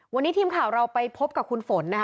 วันนี้ทีมข่าวเราไปพบกับคุณฝนนะคะ